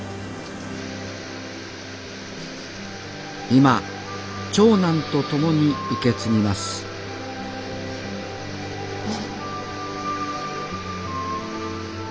今長男と共に受け継ぎますああ